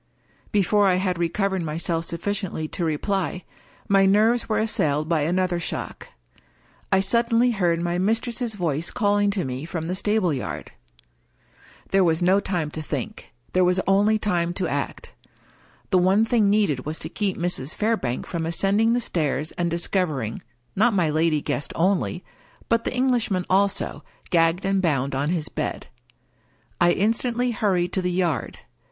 Before I had recovered myself sufficiently to reply, my nerves were assailed by another shock. I suddenly heard my mistress's voice calling to me from the stable yard. There was no time to think — ^there was only time to act. The one thing needed was to keep Mrs. Fairbank from ascending the stairs, and discovering — ^not my lady guest only — but the Englishman also, gagged and bound on his bed. I instantly hurried to the yard.